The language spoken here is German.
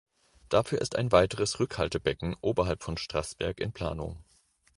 Dafür ist ein weiteres Rückhaltebecken oberhalb von Straßberg in Planung.